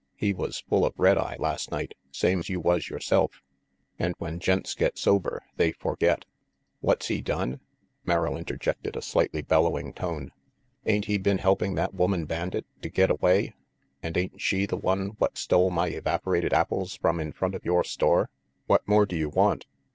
He was full of red eye last night, same's you was yoreself, and when gents get sober, they forget "What's he done?" Merrill interjected a slightly bellowing voice. "Ain't he been helping that woman bandit to get away? And ain't she the one what stole my evaporated apples from in front of your store? What more do you want?"